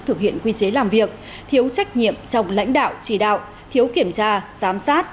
thực hiện quy chế làm việc thiếu trách nhiệm trong lãnh đạo chỉ đạo thiếu kiểm tra giám sát